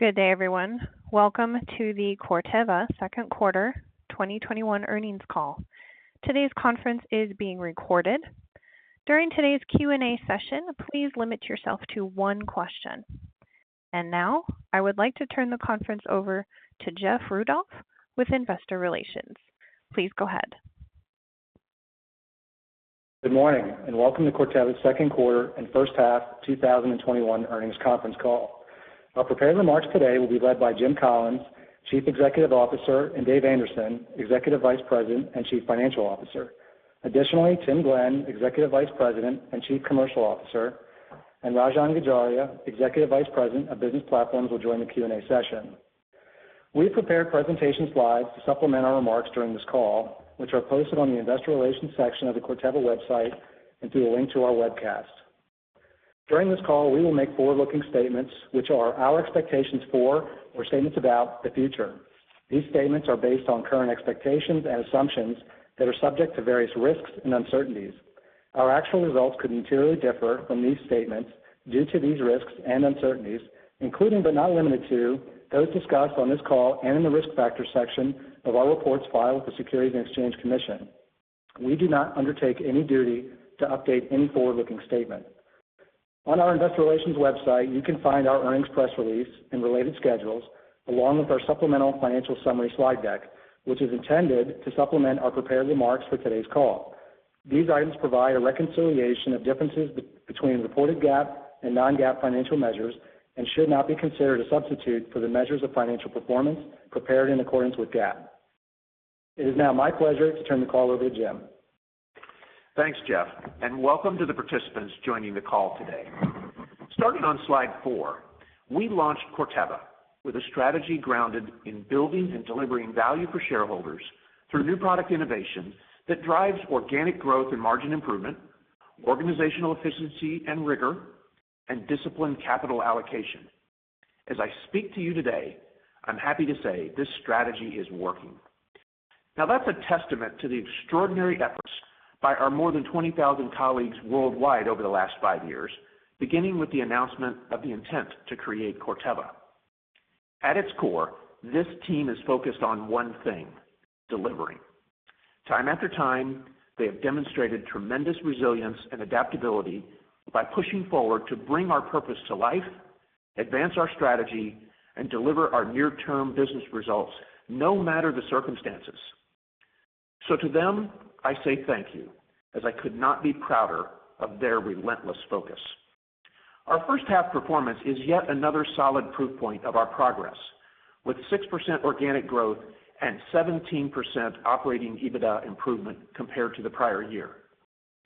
Good day, everyone. Welcome to the Corteva second quarter 2021 earnings call. Today's conference is being recorded. During today's Q&A session, please limit yourself to one question. Now I would like to turn the conference over to Jeff Rudolph with Investor Relations. Please go ahead. Good morning, and welcome to Corteva's second quarter and first half 2021 earnings conference call. Our prepared remarks today will be led by Jim Collins, Chief Executive Officer, and Dave Anderson, Executive Vice President and Chief Financial Officer. Additionally, Tim Glenn, Executive Vice President and Chief Commercial Officer, and Rajan Gajaria, Executive Vice President of Business Platforms will join the Q&A session. We prepared presentation slides to supplement our remarks during this call, which are posted on the investor relations section of the Corteva website and through a link to our webcast. During this call, we will make forward-looking statements, which are our expectations for or statements about the future. These statements are based on current expectations and assumptions that are subject to various risks and uncertainties. Our actual results could materially differ from these statements due to these risks and uncertainties, including, but not limited to, those discussed on this call and in the risk factor section of our reports filed with the Securities and Exchange Commission. We do not undertake any duty to update any forward-looking statement. On our investor relations website, you can find our earnings press release and related schedules, along with our supplemental financial summary slide deck, which is intended to supplement our prepared remarks for today's call. These items provide a reconciliation of differences between reported GAAP and non-GAAP financial measures and should not be considered a substitute for the measures of financial performance prepared in accordance with GAAP. It is now my pleasure to turn the call over to Jim. Thanks, Jeff, and welcome to the participants joining the call today. Starting on slide four, we launched Corteva with a strategy grounded in building and delivering value for shareholders through new product innovation that drives organic growth and margin improvement, organizational efficiency and rigor, and disciplined capital allocation. As I speak to you today, I am happy to say this strategy is working. That's a testament to the extraordinary efforts by our more than 20,000 colleagues worldwide over the last five years, beginning with the announcement of the intent to create Corteva. At its core, this team is focused on one thing: delivering. Time after time, they have demonstrated tremendous resilience and adaptability by pushing forward to bring our purpose to life, advance our strategy, and deliver our near-term business results, no matter the circumstances. To them, I say thank you, as I could not be prouder of their relentless focus. Our first-half performance is yet another solid proof point of our progress. With 6% organic growth and 17% operating EBITDA improvement compared to the prior year.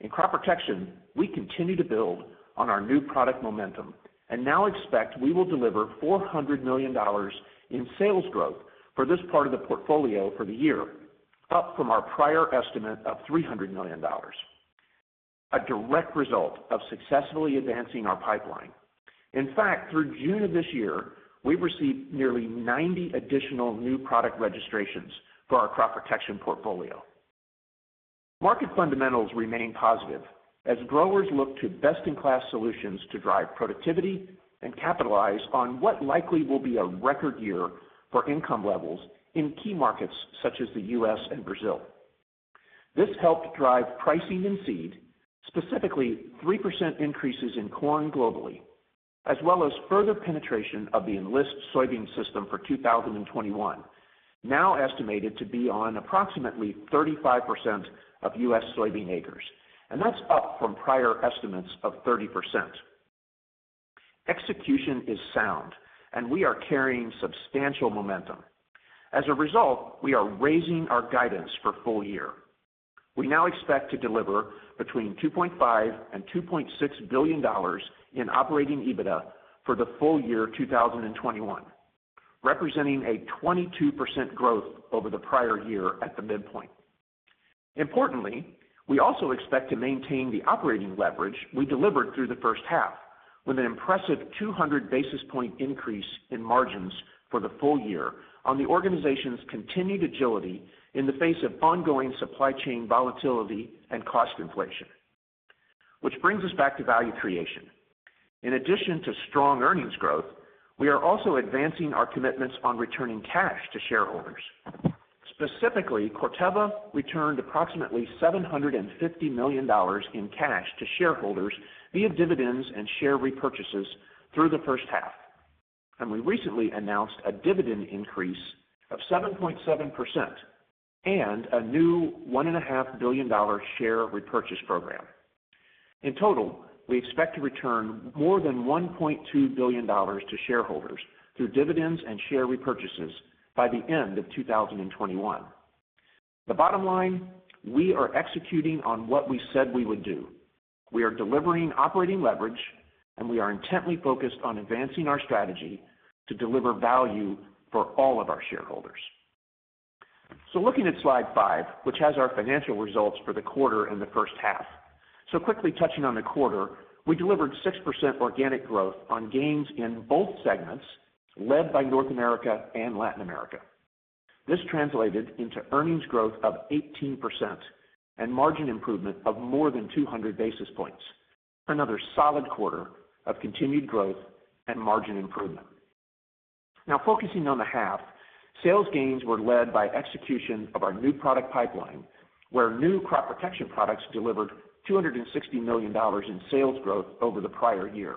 In crop protection, we continue to build on our new product momentum and now expect we will deliver $400 million in sales growth for this part of the portfolio for the year, up from our prior estimate of $300 million. A direct result of successfully advancing our pipeline. In fact, through June of this year, we've received nearly 90 additional new product registrations for our crop protection portfolio. Market fundamentals remain positive as growers look to best-in-class solutions to drive productivity and capitalize on what likely will be a record year for income levels in key markets such as the U.S. and Brazil. This helped drive pricing in seed, specifically 3% increases in corn globally, as well as further penetration of the Enlist soybean system for 2021, now estimated to be on approximately 35% of U.S. soybean acres. That's up from prior estimates of 30%. Execution is sound and we are carrying substantial momentum. As a result, we are raising our guidance for full year. We now expect to deliver between $2.5 billion and $2.6 billion in operating EBITDA for the full year 2021, representing a 22% growth over the prior year at the midpoint. Importantly, we also expect to maintain the operating leverage we delivered through the first half with an impressive 200 basis point increase in margins for the full year on the organization's continued agility in the face of ongoing supply chain volatility and cost inflation. This brings us back to value creation. In addition to strong earnings growth, we are also advancing our commitments on returning cash to shareholders. Specifically, Corteva returned approximately $750 million in cash to shareholders via dividends and share repurchases through the first half. We recently announced a dividend increase of 7.7% and a new $1.5 billion share repurchase program. In total, we expect to return more than $1.2 billion to shareholders through dividends and share repurchases by the end of 2021. The bottom line, we are executing on what we said we would do. We are delivering operating leverage and we are intently focused on advancing our strategy to deliver value for all of our shareholders. Looking at slide five, which has our financial results for the quarter and the first half. Quickly touching on the quarter, we delivered 6% organic growth on gains in both segments led by North America and Latin America. This translated into earnings growth of 18% and margin improvement of more than 200 basis points. Another solid quarter of continued growth and margin improvement. Now focusing on the half, sales gains were led by execution of our new product pipeline, where new crop protection products delivered $260 million in sales growth over the prior year.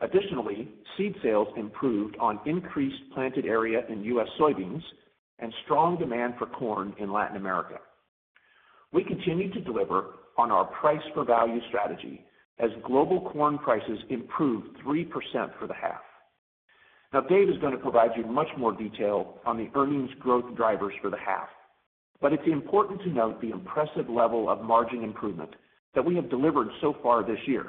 Additionally, seed sales improved on increased planted area in U.S. soybeans and strong demand for corn in Latin America. We continue to deliver on our price for value strategy as global corn prices improved 3% for the half. Dave is going to provide you much more detail on the earnings growth drivers for the half, but it's important to note the impressive level of margin improvement that we have delivered so far this year.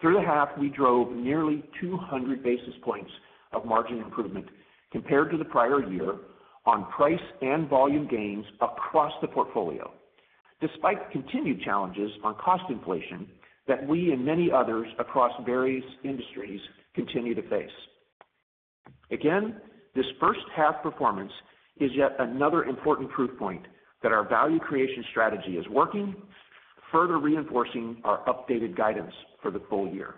Through the half, we drove nearly 200 basis points of margin improvement compared to the prior year on price and volume gains across the portfolio, despite continued challenges on cost inflation that we and many others across various industries continue to face. Again, this first half performance is yet another important proof point that our value creation strategy is working, further reinforcing our updated guidance for the full year.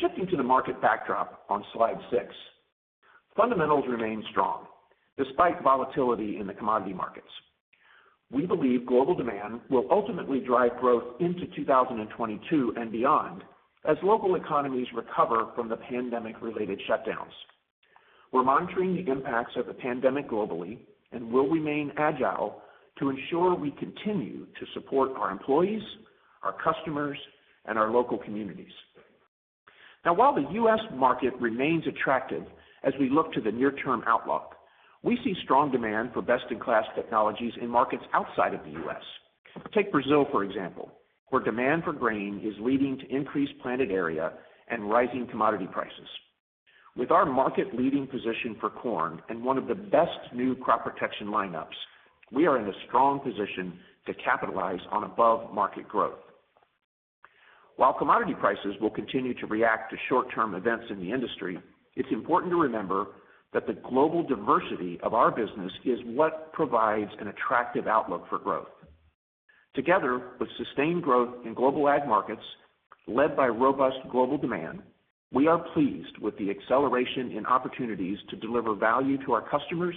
Shifting to the market backdrop on slide six, fundamentals remain strong despite volatility in the commodity markets. We believe global demand will ultimately drive growth into 2022 and beyond as local economies recover from the pandemic-related shutdowns. We're monitoring the impacts of the pandemic globally and will remain agile to ensure we continue to support our employees, our customers, and our local communities. While the U.S. market remains attractive as we look to the near-term outlook, we see strong demand for best-in-class technologies in markets outside of the U.S. Take Brazil, for example, where demand for grain is leading to increased planted area and rising commodity prices. With our market-leading position for corn and one of the best new crop protection lineups, we are in a strong position to capitalize on above-market growth. While commodity prices will continue to react to short-term events in the industry, it's important to remember that the global diversity of our business is what provides an attractive outlook for growth. Together with sustained growth in global ag markets led by robust global demand, we are pleased with the acceleration in opportunities to deliver value to our customers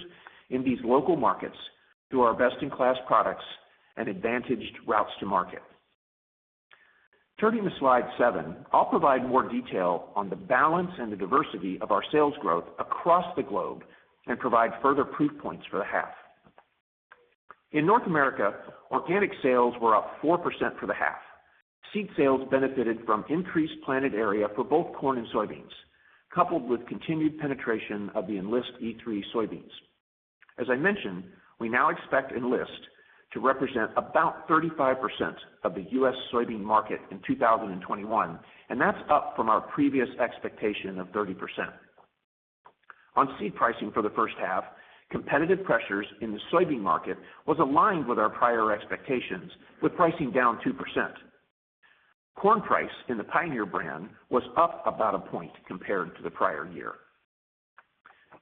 in these local markets through our best-in-class products and advantaged routes to market. Turning to slide seven, I'll provide more detail on the balance and the diversity of our sales growth across the globe and provide further proof points for the half. In North America, organic sales were up 4% for the half. Seed sales benefited from increased planted area for both corn and soybeans, coupled with continued penetration of the Enlist E3 soybeans. As I mentioned, we now expect Enlist to represent about 35% of the U.S. soybean market in 2021. That's up from our previous expectation of 30%. On seed pricing for the first half, competitive pressures in the soybean market was aligned with our prior expectations, with pricing down 2%. Corn price in the Pioneer brand was up about a point compared to the prior year.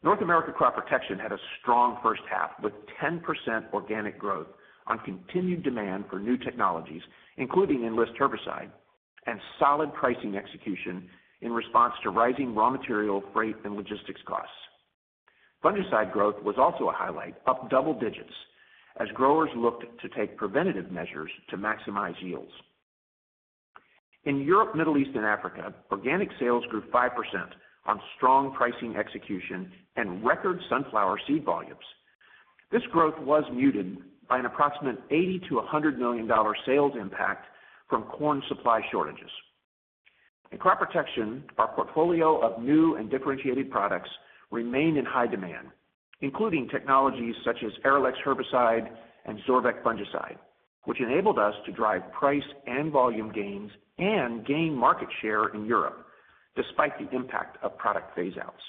North America crop protection had a strong first half, with 10% organic growth on continued demand for new technologies, including Enlist herbicide and solid pricing execution in response to rising raw material, freight, and logistics costs. Fungicide growth was also a highlight, up double digits as growers looked to take preventative measures to maximize yields. In Europe, Middle East, and Africa, organic sales grew 5% on strong pricing execution and record sunflower seed volumes. This growth was muted by an approximate $80 million-$100 million sales impact from corn supply shortages. In crop protection, our portfolio of new and differentiated products remained in high demand, including technologies such as Arylex herbicide and Zorvec fungicide, which enabled us to drive price and volume gains and gain market share in Europe despite the impact of product phase outs.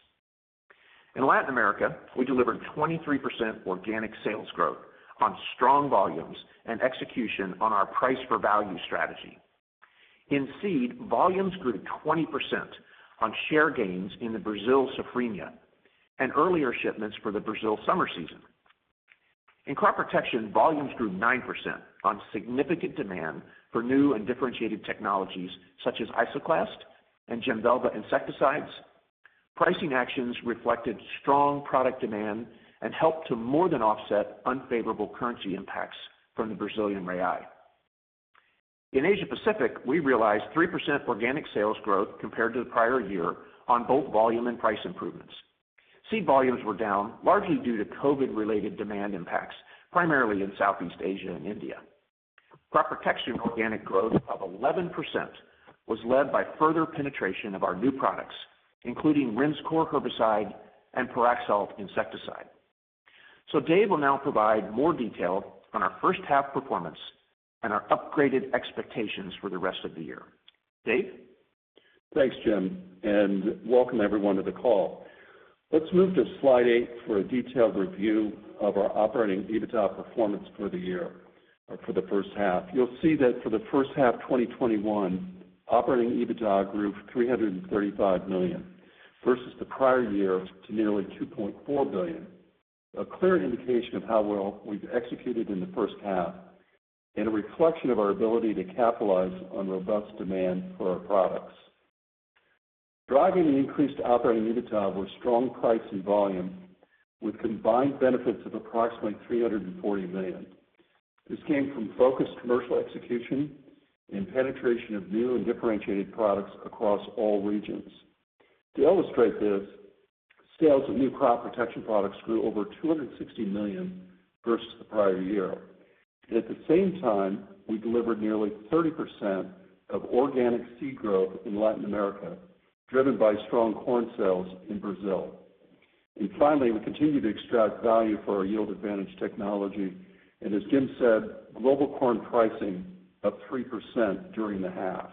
In Latin America, we delivered 23% organic sales growth on strong volumes and execution on our price for value strategy. In seed, volumes grew 20% on share gains in the Brazil's Safrinha and earlier shipments for the Brazil summer season. In crop protection, volumes grew 9% on significant demand for new and differentiated technologies such as Isoclast and Jemvelva insecticides. Pricing actions reflected strong product demand and helped to more than offset unfavorable currency impacts from the Brazilian real. In Asia Pacific, we realized 3% organic sales growth compared to the prior year on both volume and price improvements. Seed volumes were down largely due to COVID-related demand impacts, primarily in Southeast Asia and India. Crop protection organic growth of 11% was led by further penetration of our new products, including Rinskor herbicide and Pyraxalt insecticide. Dave will now provide more detail on our first half performance and our upgraded expectations for the rest of the year. Dave? Thanks, Jim. Welcome everyone to the call. Let's move to slide eight for a detailed review of our operating EBITDA performance for the year or for the first half. You'll see that for the first half 2021 operating EBITDA grew $335 million versus the prior year to nearly $2.4 billion. A clear indication of how well we've executed in the first half and a reflection of our ability to capitalize on robust demand for our products. Driving the increased operating EBITDA were strong price and volume with combined benefits of approximately $340 million. This came from focused commercial execution and penetration of new and differentiated products across all regions. To illustrate this, sales of new crop protection products grew over $260 million versus the prior year. At the same time, we delivered nearly 30% of organic seed growth in Latin America, driven by strong corn sales in Brazil. Finally, we continue to extract value for our yield advantage technology, and as Jim said, global corn pricing up 3% during the half.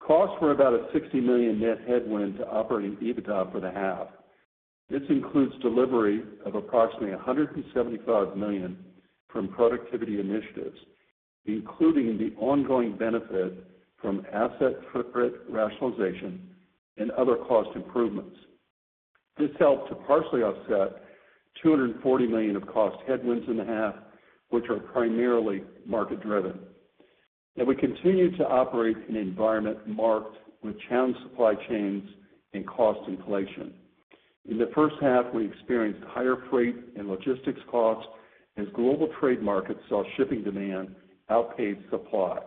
Costs were about a $60 million net headwind to operating EBITDA for the half. This includes delivery of approximately $175 million from productivity initiatives, including the ongoing benefit from asset footprint rationalization and other cost improvements. This helped to partially offset $240 million of cost headwinds in the half, which are primarily market-driven. We continue to operate in an environment marked with challenged supply chains and cost inflation. In the first half, we experienced higher freight and logistics costs as global trade markets saw shipping demand outpace supply.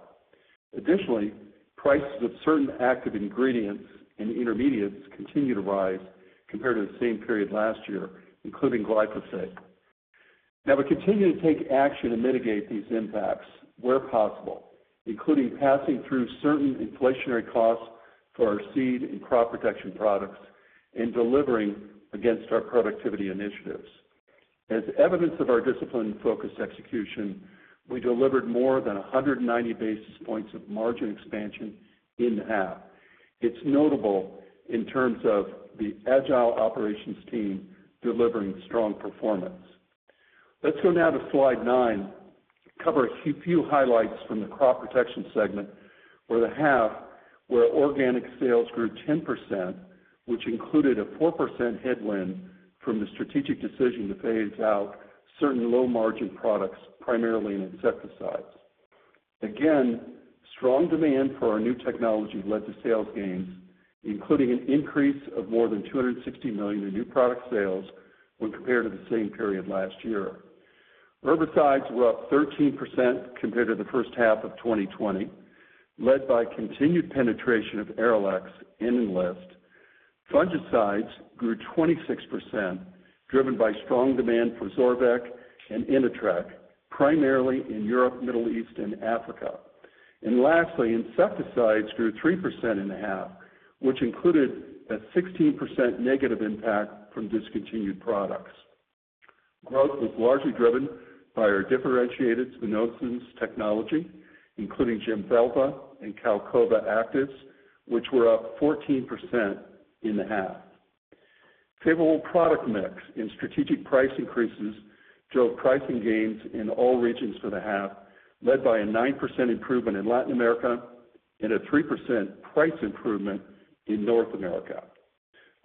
Prices of certain active ingredients and intermediates continue to rise compared to the same period last year, including glyphosate. Now we continue to take action to mitigate these impacts where possible, including passing through certain inflationary costs for our seed and crop protection products and delivering against our productivity initiatives. As evidence of our discipline and focused execution, we delivered more than 190 basis points of margin expansion in the half. It's notable in terms of the agile operations team delivering strong performance. Let's go now to slide nine, cover a few highlights from the crop protection segment for the half where organic sales grew 10%, which included a 4% headwind from the strategic decision to phase out certain low-margin products, primarily in insecticides. Again, strong demand for our new technology led to sales gains, including an increase of more than $260 million in new product sales when compared to the same period last year. Herbicides were up 13% compared to the first half of 2020, led by continued penetration of Arylex and Enlist. Fungicides grew 26%, driven by strong demand for Zorvec and Inatreq, primarily in Europe, Middle East, and Africa. Lastly, insecticides grew 3% in the half, which included a 16% negative impact from discontinued products. Growth was largely driven by our differentiated spinosyns technology, including Jemvelva and Qalcova active, which were up 14% in the half. Favorable product mix and strategic price increases drove pricing gains in all regions for the half, led by a 9% improvement in Latin America and a 3% price improvement in North America.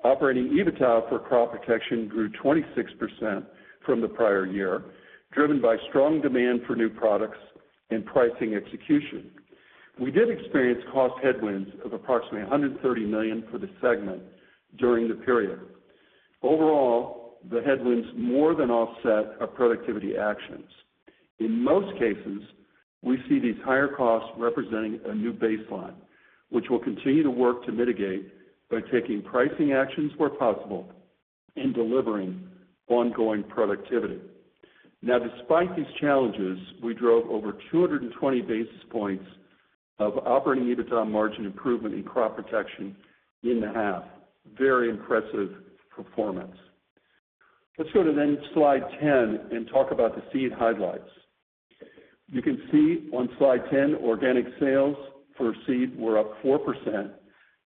Operating EBITDA for crop protection grew 26% from the prior year, driven by strong demand for new products and pricing execution. We did experience cost headwinds of approximately $130 million for the segment during the period. Overall, the headwinds more than offset our productivity actions. In most cases, we see these higher costs representing a new baseline, which we'll continue to work to mitigate by taking pricing actions where possible and delivering ongoing productivity. Despite these challenges, we drove over 220 basis points of operating EBITDA margin improvement in crop protection in the half. Very impressive performance. Let's go to slide 10 and talk about the seed highlights. You can see on slide 10, organic sales for seed were up 4%,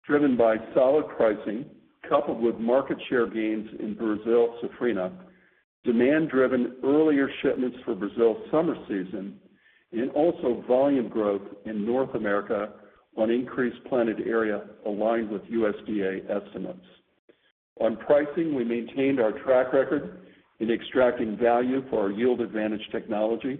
driven by solid pricing coupled with market share gains in Brazil's Safrinha, demand-driven earlier shipments for Brazil summer season, and also volume growth in North America on increased planted area aligned with USDA estimates. On pricing, we maintained our track record in extracting value for our yield advantage technology,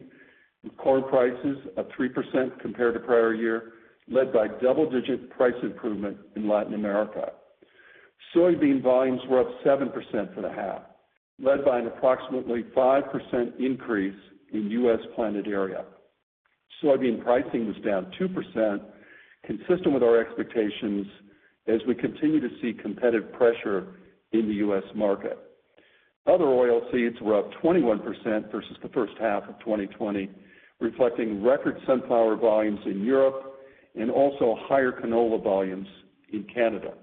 with corn prices up 3% compared to prior year, led by double-digit price improvement in Latin America. Soybean volumes were up 7% for the half, led by an approximately 5% increase in U.S. planted area. Soybean pricing was down 2%, consistent with our expectations as we continue to see competitive pressure in the U.S. market. Other oil seeds were up 21% versus the first half of 2020, reflecting record sunflower volumes in Europe and also higher canola volumes in Canada.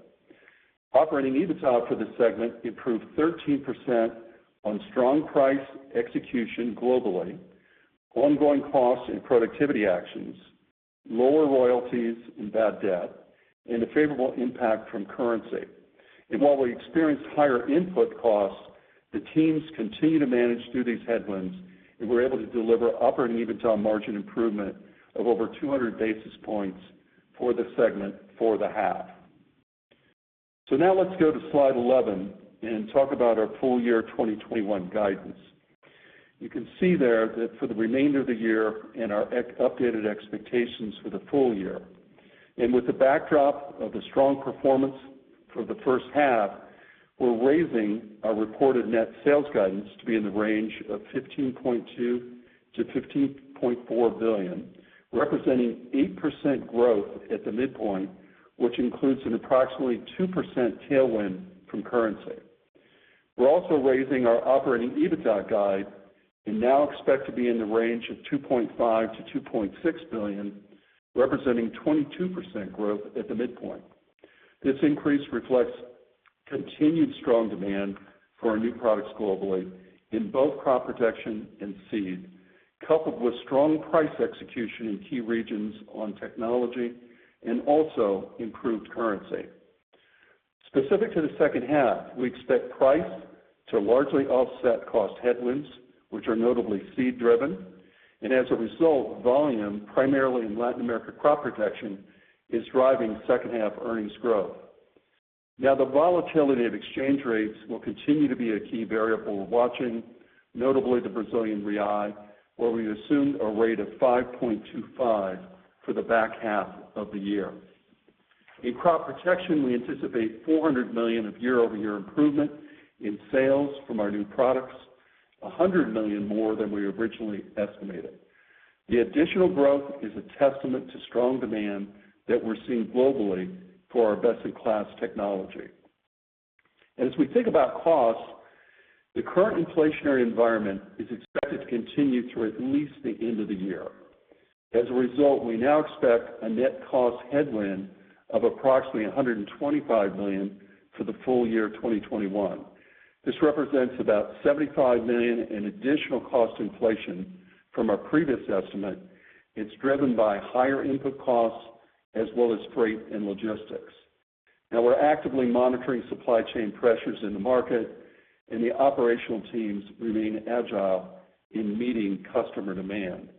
Operating EBITDA for the segment improved 13% on strong price execution globally, ongoing costs and productivity actions, lower royalties and bad debt, a favorable impact from currency. While we experienced higher input costs, the teams continue to manage through these headwinds, and we're able to deliver operating EBITDA margin improvement of over 200 basis points for the segment for the half. Now let's go to slide 11 and talk about our full year 2021 guidance. You can see there that for the remainder of the year and our updated expectations for the full year. With the backdrop of the strong performance for the first half, we're raising our reported net sales guidance to be in the range of $15.2 billion-$15.4 billion, representing 8% growth at the midpoint, which includes an approximately 2% tailwind from currency. We're also raising our operating EBITDA guide and now expect to be in the range of $2.5 billion-$2.6 billion, representing 22% growth at the midpoint. This increase reflects continued strong demand for our new products globally in both crop protection and seed, coupled with strong price execution in key regions on technology and also improved currency. Specific to the second half, we expect price to largely offset cost headwinds, which are notably seed-driven, as a result, volume, primarily in Latin America crop protection, is driving second half earnings growth. The volatility of exchange rates will continue to be a key variable we're watching, notably the Brazilian real, where we assumed a rate of 5.25 for the back half of the year. In crop protection, we anticipate $400 million of year-over-year improvement in sales from our new products, $100 million more than we originally estimated. The additional growth is a testament to strong demand that we're seeing globally for our best-in-class technology. As we think about costs, the current inflationary environment is expected to continue through at least the end of the year. As a result, we now expect a net cost headwind of approximately $125 million for the full year 2021. This represents about $75 million in additional cost inflation from our previous estimate. It's driven by higher input costs as well as freight and logistics. We're actively monitoring supply chain pressures in the market, and the operational teams remain agile in meeting customer demand.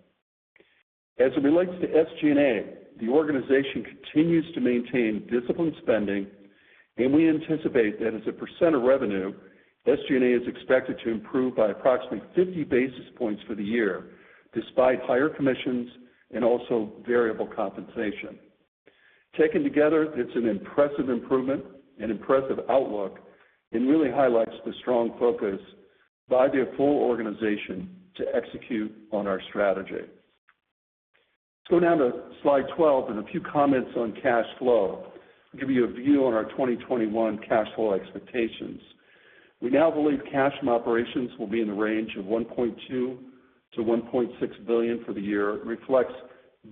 As it relates to SG&A, the organization continues to maintain disciplined spending, and we anticipate that as a percent of revenue, SG&A is expected to improve by approximately 50 basis points for the year, despite higher commissions and also variable compensation. Taken together, it's an impressive improvement, an impressive outlook, and really highlights the strong focus by the full organization to execute on our strategy. Let's go now to slide 12 and a few comments on cash flow. I'll give you a view on our 2021 cash flow expectations. We now believe cash from operations will be in the range of $1.2 billion-$1.6 billion for the year. It reflects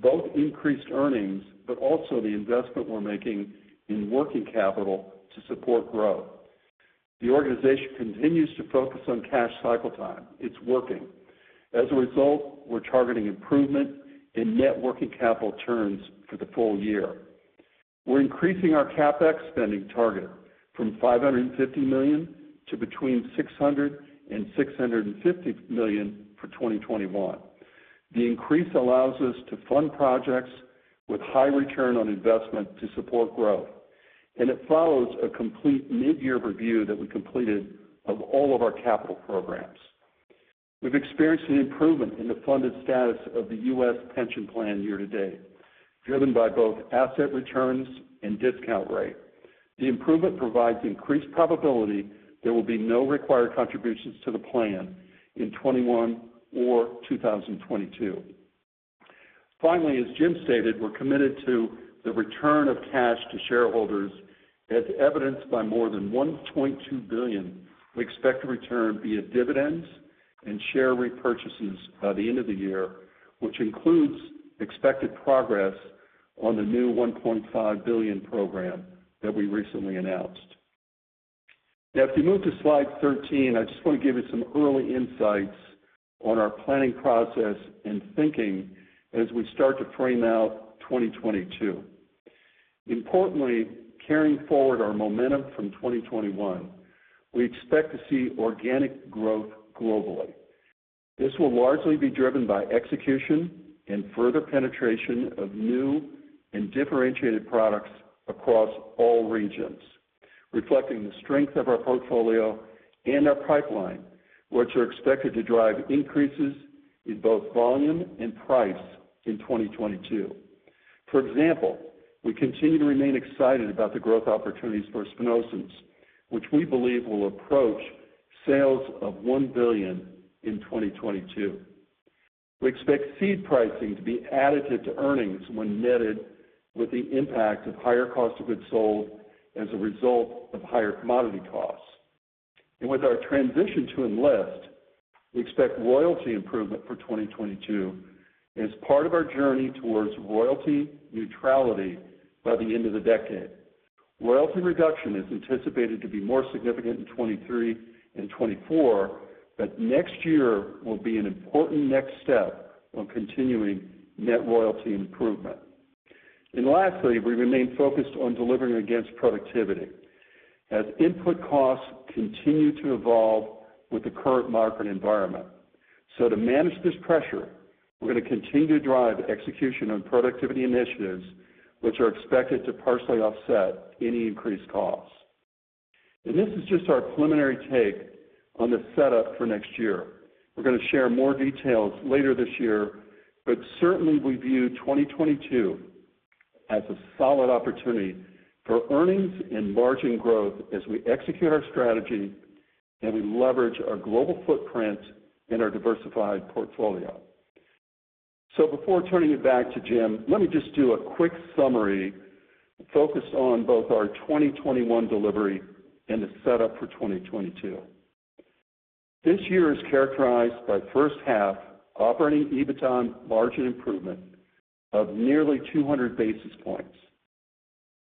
both increased earnings, but also the investment we're making in working capital to support growth. The organization continues to focus on cash cycle time. It's working. As a result, we're targeting improvement in net working capital terms for the full year. We're increasing our CapEx spending target from $550 million to $600 million-$650 mil lion for 2021. The increase allows us to fund projects with high ROI to support growth. It follows a complete mid-year review that we completed of all of our capital programs. We've experienced an improvement in the funded status of the U.S. pension plan year-to-date, driven by both asset returns and discount rate. The improvement provides increased probability there will be no required contributions to the plan in 2021 or 2022. As Jim stated, we're committed to the return of cash to shareholders, as evidenced by more than $1.2 billion we expect to return via dividends and share repurchases by the end of the year, which includes expected progress on the new $1.5 billion program that we recently announced. Now if you move to slide 13, I just want to give you some early insights on our planning process and thinking as we start to frame out 2022. Importantly, carrying forward our momentum from 2021, we expect to see organic growth globally. This will largely be driven by execution and further penetration of new and differentiated products across all regions, reflecting the strength of our portfolio and our pipeline, which are expected to drive increases in both volume and price in 2022. For example, we continue to remain excited about the growth opportunities for spinosyns, which we believe will approach sales of $1 billion in 2022. We expect seed pricing to be additive to earnings when netted with the impact of higher cost of goods sold as a result of higher commodity costs. With our transition to Enlist, we expect royalty improvement for 2022 as part of our journey towards royalty neutrality by the end of the decade. Royalty reduction is anticipated to be more significant in 2023 and 2024, but next year will be an important next step on continuing net royalty improvement. Lastly, we remain focused on delivering against productivity as input costs continue to evolve with the current market environment. To manage this pressure, we're going to continue to drive execution on productivity initiatives, which are expected to partially offset any increased costs. This is just our preliminary take on the setup for next year. We're going to share more details later this year, but certainly we view 2022 as a solid opportunity for earnings and margin growth as we execute our strategy and we leverage our global footprint and our diversified portfolio. Before turning it back to Jim, let me just do a quick summary focused on both our 2021 delivery and the setup for 2022. This year is characterized by first half operating EBITDA margin improvement of nearly 200 basis points,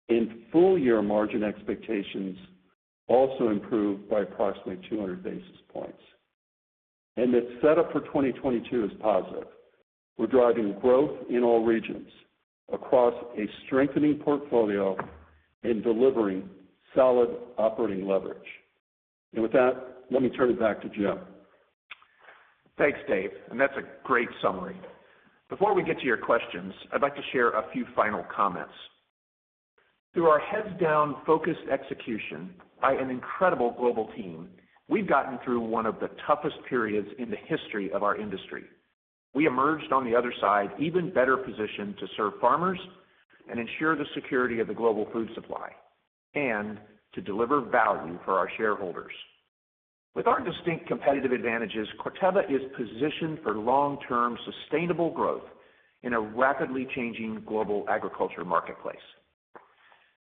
and full year margin expectations also improved by approximately 200 basis points. The setup for 2022 is positive. We're driving growth in all regions across a strengthening portfolio and delivering solid operating leverage. With that, let me turn it back to Jim. Thanks, Dave. That's a great summary. Before we get to your questions, I'd like to share a few final comments. Through our heads-down, focused execution by an incredible global team, we've gotten through one of the toughest periods in the history of our industry. We emerged on the other side even better positioned to serve farmers and ensure the security of the global food supply and to deliver value for our shareholders. With our distinct competitive advantages, Corteva is positioned for long-term sustainable growth in a rapidly changing global agriculture marketplace.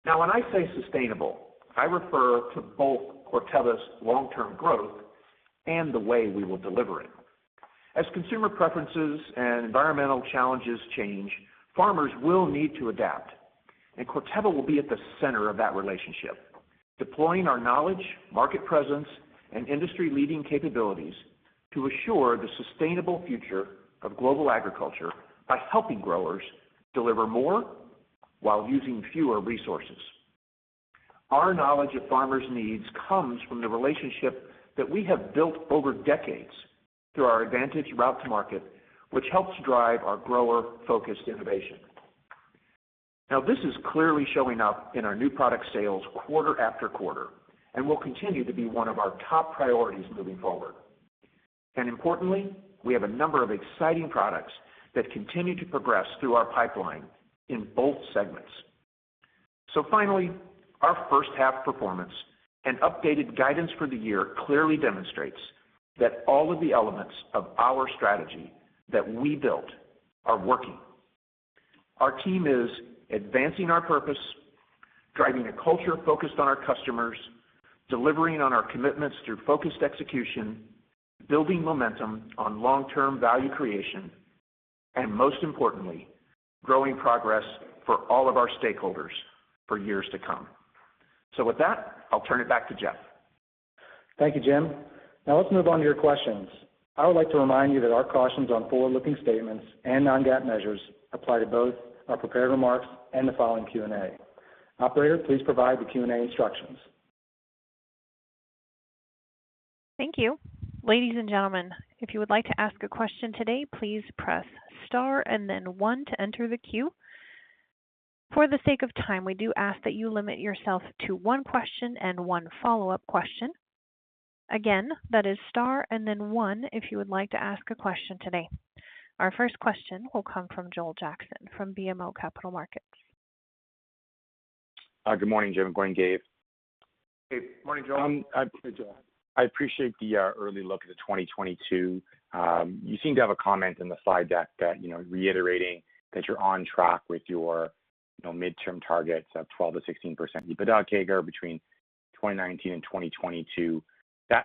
Now, when I say sustainable, I refer to both Corteva's long-term growth and the way we will deliver it. As consumer preferences and environmental challenges change, farmers will need to adapt, and Corteva will be at the center of that relationship, deploying our knowledge, market presence, and industry-leading capabilities to assure the sustainable future of global agriculture by helping growers deliver more while using fewer resources. Our knowledge of farmers' needs comes from the relationship that we have built over decades through our advantage route to market, which helps drive our grower-focused innovation. Now, this is clearly showing up in our new product sales quarter after quarter and will continue to be one of our top priorities moving forward. Importantly, we have a number of exciting products that continue to progress through our pipeline in both segments. Finally, our first half performance and updated guidance for the year clearly demonstrates that all of the elements of our strategy that we built are working. Our team is advancing our purpose, driving a culture focused on our customers, delivering on our commitments through focused execution, building momentum on long-term value creation, and most importantly, growing progress for all of our stakeholders for years to come. With that, I'll turn it back to Jeff. Thank you, Jim. Now let's move on to your questions. I would like to remind you that our cautions on forward-looking statements and non-GAAP measures apply to both our prepared remarks and the following Q&A. Operator, please provide the Q&A instructions. Thank you. Ladies and gentlemen, if you would like to ask a question today, please press star and then one to enter the queue. For the sake of time, we do ask that you limit yourself to one question and one follow-up question. Again, that is star and then 1 if you would like to ask a question today. Our first question will come from Joel Jackson from BMO Capital Markets. Good morning, Jim. Good morning, Dave. Hey. Morning, Joel. Hey, Joel. I appreciate the early look at 2022. You seem to have a comment in the slide deck reiterating that you're on track with your midterm targets of 12%-16% EBITDA CAGR between 2019 and 2022. I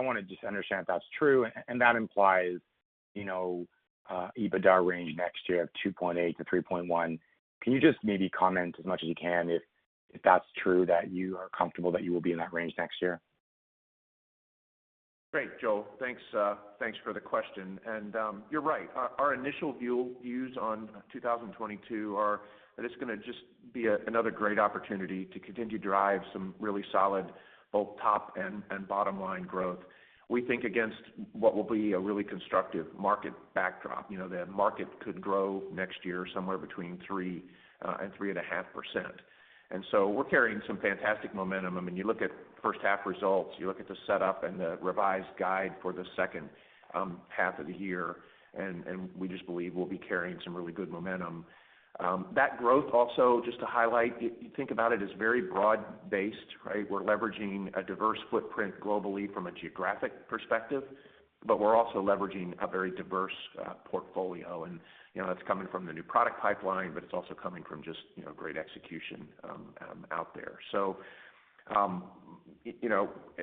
want to just understand if that's true and that implies EBITDA range next year of $2.8-$3.1. Can you just maybe comment as much as you can if that's true that you are comfortable that you will be in that range next year? Great, Joel. Thanks for the question. You're right. Our initial views on 2022 are that it's going to just be another great opportunity to continue to drive some really solid both top and bottom-line growth. We think against what will be a really constructive market backdrop. The market could grow next year somewhere between 3% and 3.5%. We're carrying some fantastic momentum. You look at first half results, you look at the setup and the revised guide for the second half of the year, and we just believe we'll be carrying some really good momentum. That growth also, just to highlight, if you think about it, is very broad-based, right? We're leveraging a diverse footprint globally from a geographic perspective, but we're also leveraging a very diverse portfolio and that's coming from the new product pipeline, but it's also coming from just great execution out there.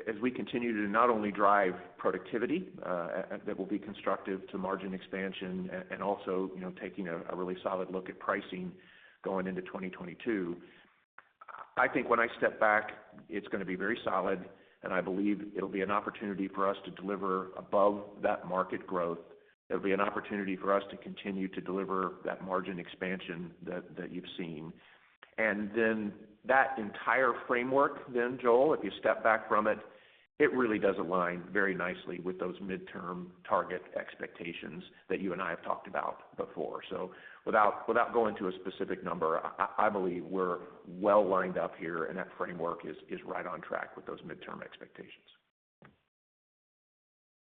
As we continue to not only drive productivity that will be constructive to margin expansion and also taking a really solid look at pricing going into 2022, I think when I step back, it's going to be very solid, and I believe it'll be an opportunity for us to deliver above that market growth. It'll be an opportunity for us to continue to deliver that margin expansion that you've seen. That entire framework then, Joel, if you step back from it really does align very nicely with those midterm target expectations that you and I have talked about before. Without going to a specific number, I believe we're well lined up here, and that framework is right on track with those midterm expectations.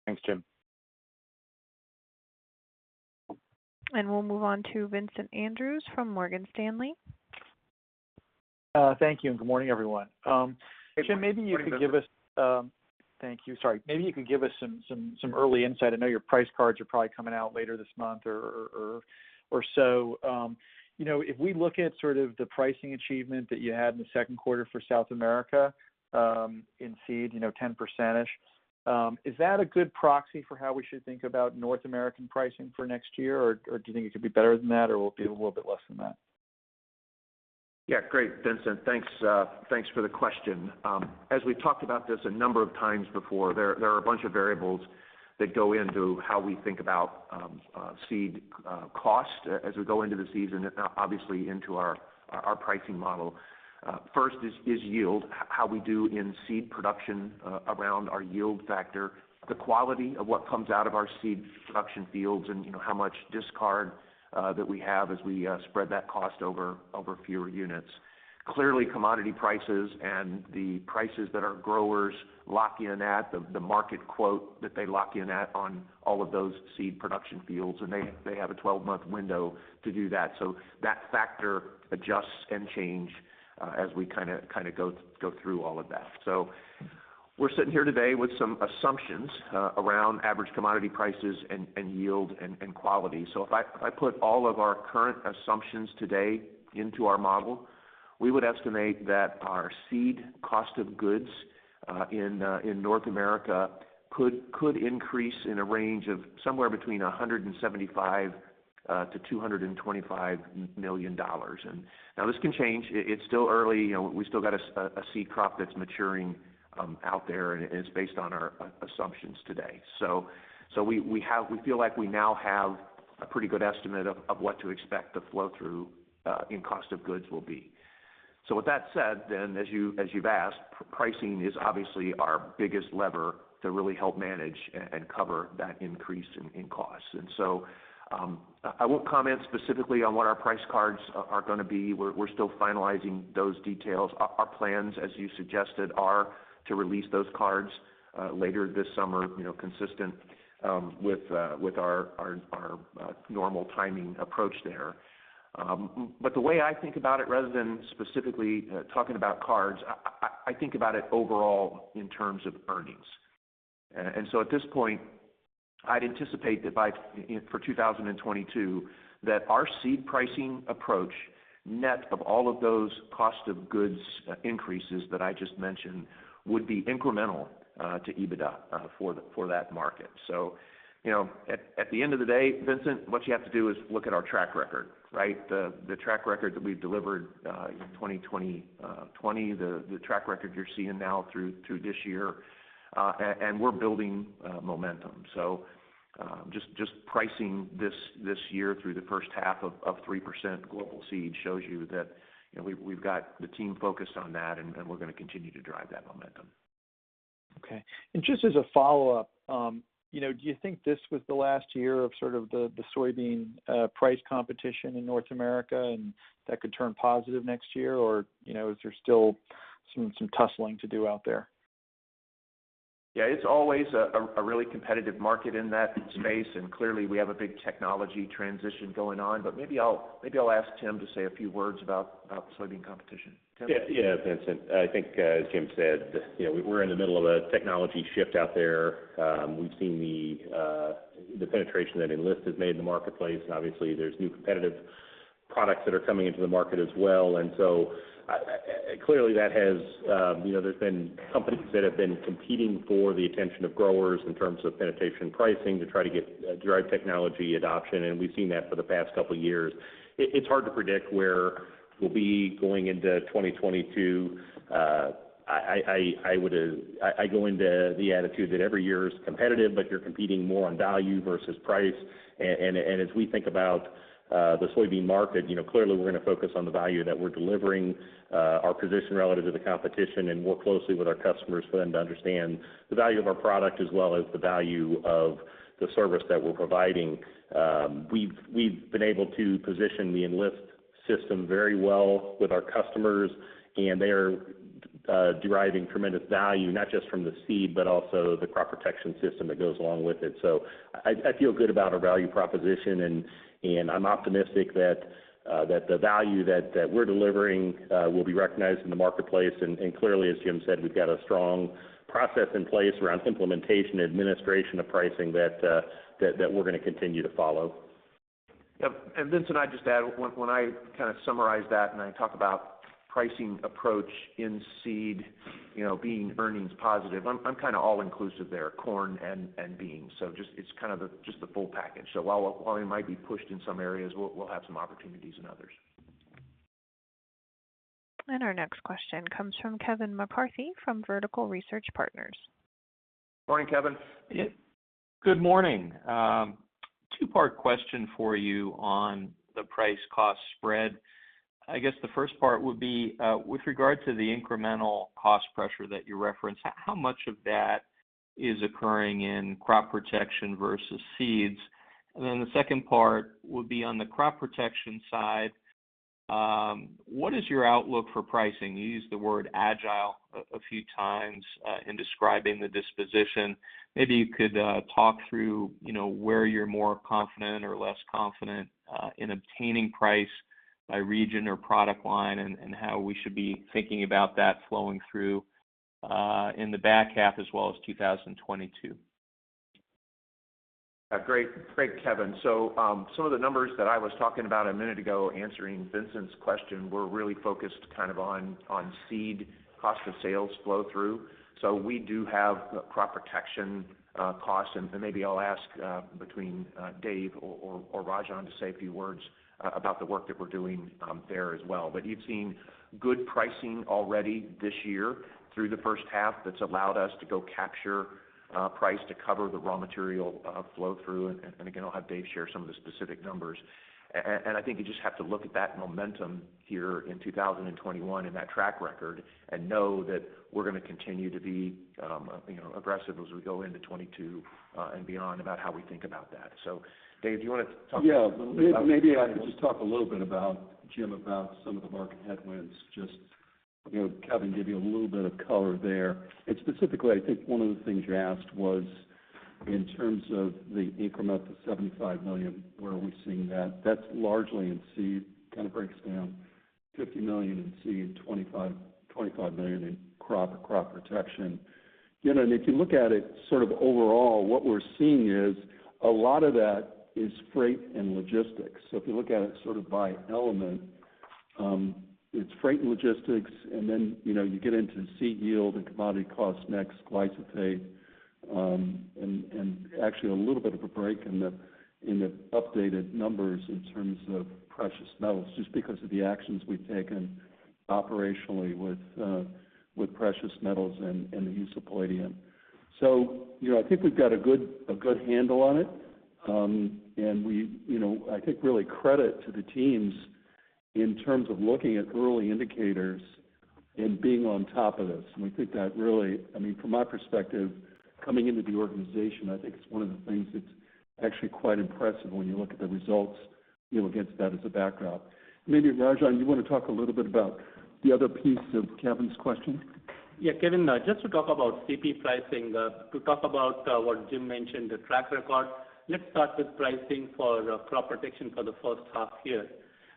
Thanks, Jim. We'll move on to Vincent Andrews from Morgan Stanley. Thank you, and good morning, everyone. Good morning, Vincent. Thank you. Sorry. Maybe you could give us some early insight. I know your price cards are probably coming out later this month or so. If we look at sort of the pricing achievement that you had in the second quarter for South America in seed, 10%, is that a good proxy for how we should think about North American pricing for next year, or do you think it could be better than that, or will it be a little bit less than that? Yeah. Great, Vincent. Thanks for the question. As we've talked about this a number of times before, there are a bunch of variables that go into how we think about seed cost as we go into the season, obviously into our pricing model. First is yield, how we do in seed production around our yield factor, the quality of what comes out of our seed production fields and how much discard that we have as we spread that cost over fewer units. Clearly, commodity prices and the prices that our growers lock in at, the market quote that they lock in at on all of those seed production fields, and they have a 12-month window to do that. That factor adjusts and change as we kind of go through all of that. We're sitting here today with some assumptions around average commodity prices and yield and quality. If I put all of our current assumptions today into our model, we would estimate that our seed cost of goods in North America could increase in a range of somewhere between $175 million-$225 million. This can change. It's still early. We still got a seed crop that's maturing out there, and it's based on our assumptions today. We feel like we now have a pretty good estimate of what to expect the flow-through in cost of goods will be. With that said, as you've asked, pricing is obviously our biggest lever to really help manage and cover that increase in costs. I won't comment specifically on what our price cards are going to be. We're still finalizing those details. Our plans, as you suggested, are to release those cards later this summer, consistent with our normal timing approach there. The way I think about it, rather than specifically talking about costs, I think about it overall in terms of earnings. At this point, I'd anticipate that for 2022, that our seed pricing approach, net of all of those cost of goods increases that I just mentioned, would be incremental to EBITDA for that market. At the end of the day, Vincent, what you have to do is look at our track record, right? The track record that we've delivered in 2020, the track record you're seeing now through this year, and we're building momentum. Just pricing this year through the first half of 3% global seed shows you that we've got the team focused on that, and we're going to continue to drive that momentum. Okay. Just as a follow-up, do you think this was the last year of sort of the soybean price competition in North America, and that could turn positive next year, or is there still some tussling to do out there? Yeah, it's always a really competitive market in that space. Clearly we have a big technology transition going on. Maybe I'll ask Tim to say a few words about the soybean competition. Tim? Yeah, Vincent. I think as Jim said, we're in the middle of a technology shift out there. We've seen the penetration that Enlist has made in the marketplace, obviously there's new competitive products that are coming into the market as well. Clearly there's been companies that have been competing for the attention of growers in terms of penetration pricing to try to drive technology adoption, we've seen that for the past couple of years. It's hard to predict where we'll be going into 2022. I go into the attitude that every year is competitive, you're competing more on value versus price. As we think about the soybean market, clearly we're going to focus on the value that we're delivering, our position relative to the competition, and work closely with our customers for them to understand the value of our product as well as the value of the service that we're providing. We've been able to position the Enlist system very well with our customers, and they are deriving tremendous value, not just from the seed, but also the crop protection system that goes along with it. I feel good about our value proposition, and I'm optimistic that the value that we're delivering will be recognized in the marketplace. Clearly, as Jim said, we've got a strong process in place around implementation, administration of pricing that we're going to continue to follow. Yep. Vincent, I'd just add, when I kind of summarize that and I talk about pricing approach in seed being earnings positive, I'm kind of all-inclusive there, corn and beans. It's kind of just the full package. While we might be pushed in some areas, we'll have some opportunities in others. Our next question comes from Kevin McCarthy from Vertical Research Partners. Morning, Kevin. Good morning. Two-part question for you on the price-cost spread. I guess the first part would be, with regard to the incremental cost pressure that you referenced, how much of that is occurring in crop protection versus seeds? The second part would be on the crop protection side. What is your outlook for pricing? You used the word agile a few times in describing the disposition. Maybe you could talk through where you're more confident or less confident in obtaining price by region or product line, and how we should be thinking about that flowing through in the back half as well as 2022. Great, Kevin. Some of the numbers that I was talking about a minute ago answering Vincent's question, were really focused on seed cost of sales flow-through. We do have crop protection costs, and maybe I'll ask between Dave or Rajan to say a few words about the work that we're doing there as well. You've seen good pricing already this year through the first half that's allowed us to go capture price to cover the raw material flow-through. Again, I'll have Dave share some of the specific numbers. I think you just have to look at that momentum here in 2021 and that track record and know that we're going to continue to be aggressive as we go into 2022 and beyond about how we think about that. Dave, do you want to talk- Yeah. Maybe I could just talk a little bit about, Jim, about some of the market headwinds, just, Kevin McCarthy, give you a little bit of color there. Specifically, I think one of the things you asked was in terms of the increment, the $75 million, where are we seeing that? That's largely in seed. Kind of breaks down $50 million in seed, $25 million in crop or crop protection. If you look at it sort of overall, what we're seeing is a lot of that is freight and logistics. If you look at it sort of by element, it's freight and logistics, and then you get into seed yield and commodity costs next, glyphosate, and actually a little bit of a break in the updated numbers in terms of precious metals, just because of the actions we've taken operationally with precious metals and the use of palladium. I think we've got a good handle on it. I think really credit to the teams in terms of looking at early indicators and being on top of this, and we think that really, from my perspective, coming into the organization, I think it's one of the things that's actually quite impressive when you look at the results against that as a background. Maybe Rajan, you want to talk a little bit about the other piece of Kevin's question? Yeah, Kevin, just to talk about CP pricing, to talk about what Jim mentioned, the track record. Let's start with pricing for crop protection for the first half year.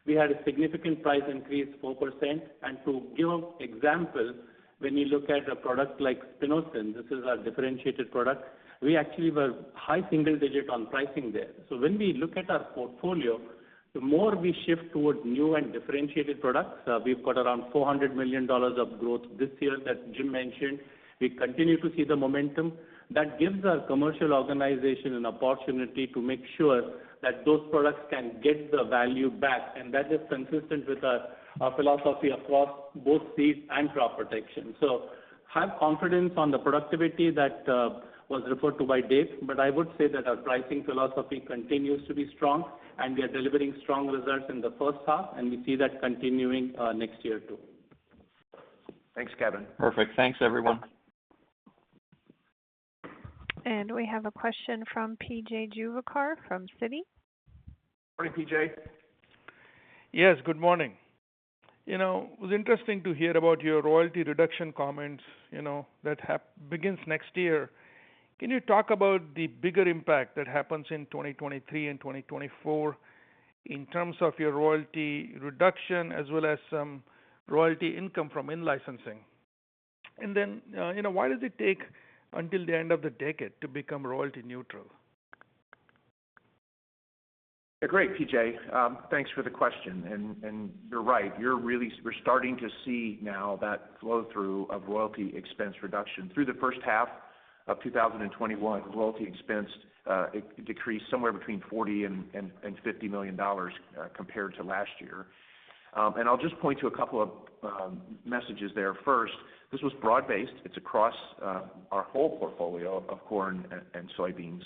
We had a significant price increase, 4%. To give example, when you look at a product like spinosyn, this is our differentiated product. We actually were high single digit on pricing there. When we look at our portfolio, the more we shift towards new and differentiated products, we've got around $400 million of growth this year that Jim mentioned. We continue to see the momentum. That gives our commercial organization an opportunity to make sure that those products can get the value back, and that is consistent with our philosophy across both seeds and crop protection. Have confidence on the productivity that was referred to by Dave. I would say that our pricing philosophy continues to be strong, and we are delivering strong results in the first half, and we see that continuing next year, too. Thanks, Kevin. Perfect. Thanks, everyone. We have a question from P.J. Juvekar from Citi. Morning, P.J. Yes, good morning. It was interesting to hear about your royalty reduction comments that begins next year. Can you talk about the bigger impact that happens in 2023 and 2024 in terms of your royalty reduction as well as some royalty income from in-licensing? Why does it take until the end of the decade to become royalty neutral? Great, P.J. Thanks for the question. You're right, we're starting to see now that flow-through of royalty expense reduction. Through the first half of 2021, royalty expense decreased somewhere between $40 million and $50 million compared to last year. I'll just point to a couple of messages there. First, this was broad-based. It's across our whole portfolio of corn and soybeans.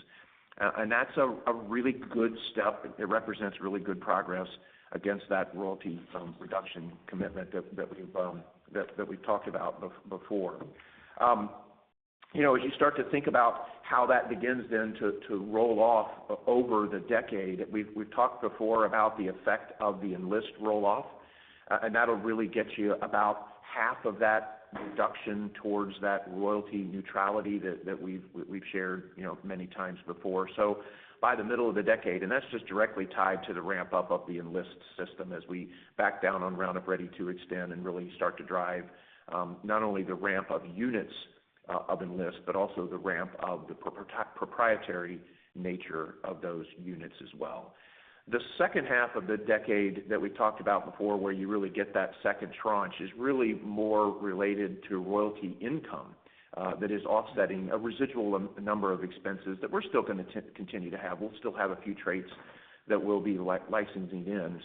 That's a really good step. It represents really good progress against that royalty reduction commitment that we've talked about before. As you start to think about how that begins then to roll off over the decade, we've talked before about the effect of the Enlist roll-off, and that'll really get you about half of that reduction towards that royalty neutrality that we've shared many times before. By the middle of the decade, and that's just directly tied to the ramp-up of the Enlist system as we back down on Roundup Ready 2 Xtend and really start to drive not only the ramp of units of Enlist, but also the ramp of the proprietary nature of those units as well. The second half of the decade that we talked about before, where you really get that second tranche, is really more related to royalty income that is offsetting a residual number of expenses that we're still going to continue to have. We'll still have a few traits that we'll be licensing in.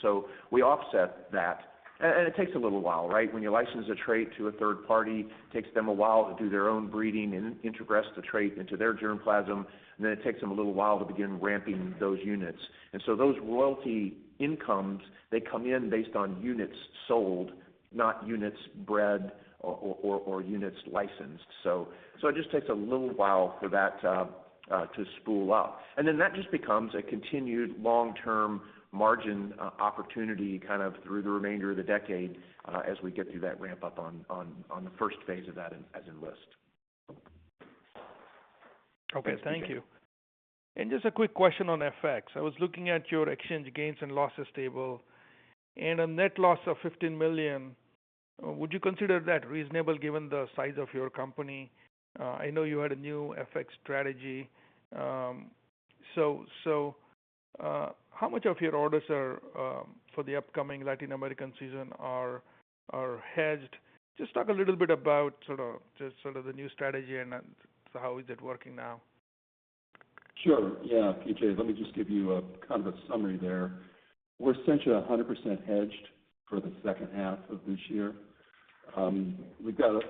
We offset that, and it takes a little while, right? When you license a trait to a third party, takes them a while to do their own breeding and introgress the trait into their germplasm, and then it takes them a little while to begin ramping those units. Those royalty incomes, they come in based on units sold, not units bred or units licensed. It just takes a little while for that to spool up. That just becomes a continued long-term margin opportunity through the remainder of the decade as we get through that ramp-up on the first phase of that as Enlist. Okay. Thank you. Just a quick question on FX. I was looking at your exchange gains and losses table, and a net loss of $15 million. Would you consider that reasonable given the size of your company? I know you had a new FX strategy. How much of your orders for the upcoming Latin American season are hedged? Just talk a little bit about the new strategy, and how is it working now? Sure. Yeah, P.J., let me just give you a summary there. We're essentially 100% hedged for the second half of this year. We've got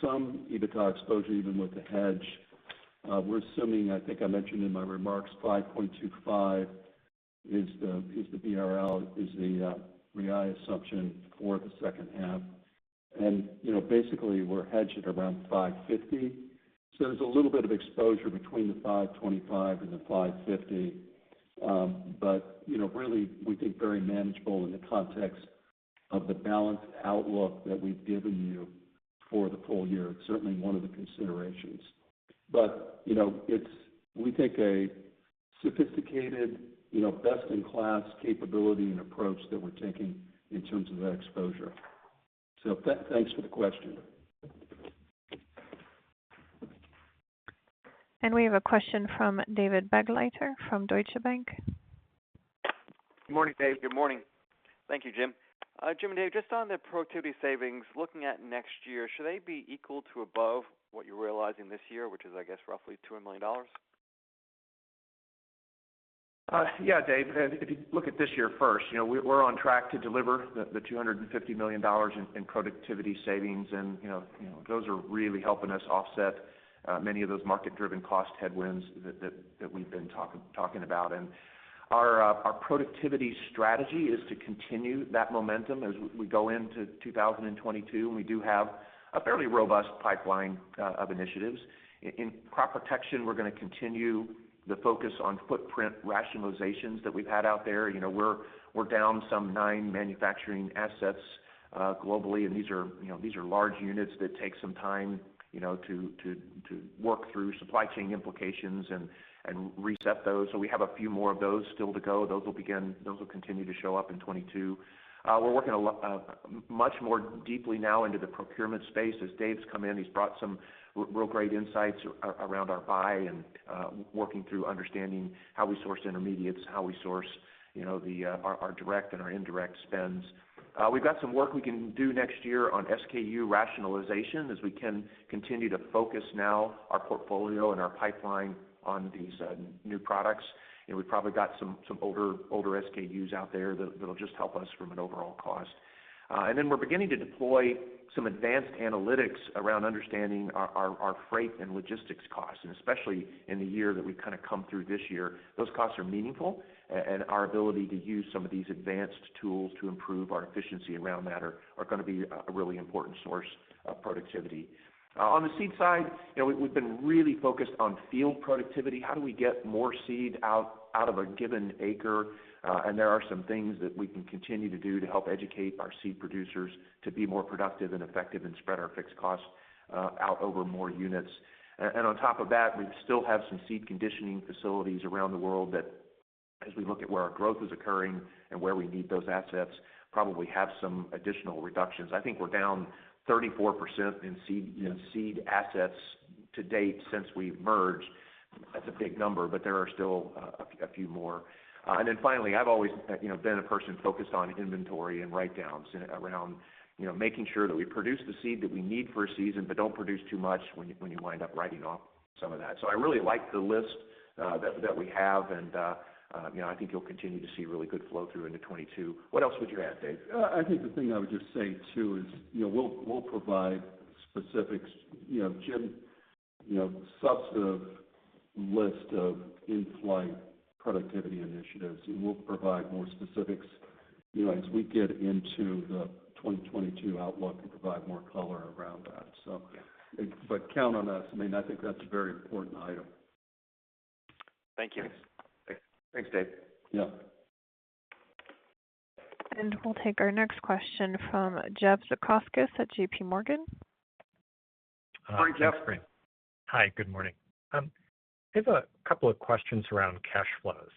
some EBITDA exposure even with the hedge. We're assuming, I think I mentioned in my remarks, 5.25 is the BRL, is the real assumption for the second half. Basically, we're hedged at around 5.50. There's a little bit of exposure between the 5.25 and the 5.50. Really, we think very manageable in the context of the balanced outlook that we've given you for the full year. Certainly one of the considerations. We take a sophisticated, best-in-class capability and approach that we're taking in terms of that exposure. Thanks for the question. We have a question from David Begleiter from Deutsche Bank. Good morning, Dave. Good morning. Thank you, Jim. Jim and Dave, just on the productivity savings, looking at next year, should they be equal to above what you're realizing this year, which is, I guess, roughly $200 million? Yeah, Dave, if you look at this year first, we're on track to deliver the $250 million in productivity savings, and those are really helping us offset many of those market-driven cost headwinds that we've been talking about. Our productivity strategy is to continue that momentum as we go into 2022, and we do have a fairly robust pipeline of initiatives. In Crop Protection, we're going to continue the focus on footprint rationalizations that we've had out there. We're down some nine manufacturing assets globally, and these are large units that take some time to work through supply chain implications and reset those. We have a few more of those still to go. Those will continue to show up in 2022. We're working much more deeply now into the procurement space. As Dave's come in, he's brought some real great insights around our buy and working through understanding how we source intermediates, how we source our direct and our indirect spends. We've got some work we can do next year on SKU rationalization as we can continue to focus now our portfolio and our pipeline on these new products. We've probably got some older SKUs out there that'll just help us from an overall cost. We're beginning to deploy some advanced analytics around understanding our freight and logistics costs, and especially in the year that we've kind of come through this year, those costs are meaningful. Our ability to use some of these advanced tools to improve our efficiency around that are going to be a really important source of productivity. On the seed side, we've been really focused on field productivity. How do we get more seed out of a given acre? There are some things that we can continue to do to help educate our seed producers to be more productive and effective and spread our fixed costs out over more units. On top of that, we still have some seed conditioning facilities around the world that as we look at where our growth is occurring and where we need those assets, probably have some additional reductions. I think we're down 34% in seed assets to date since we've merged. That's a big number, but there are still a few more. Finally, I've always been a person focused on inventory and write-downs around making sure that we produce the seed that we need for a season, but don't produce too much when you wind up writing off some of that. I really like the list that we have, and I think you'll continue to see really good flow-through into 2022. What else would you add, Dave? I think the thing I would just say, too, is we'll provide specifics, Jim's substantive list of in-flight productivity initiatives. We'll provide more specifics as we get into the 2022 outlook and provide more color around that. Yeah. Count on us. I think that's a very important item. Thank you. Thanks, Dave. Yeah. We'll take our next question from Jeff Zekauskas at JPMorgan. Morning, Jeff. Hi, good morning. I have a couple of questions around cash flows.